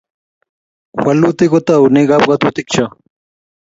Walutik ko toune kapwatutik cho